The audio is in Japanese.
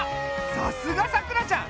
さすがさくらちゃん！